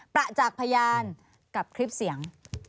ประจักษ์พยานกับคลิปเสียง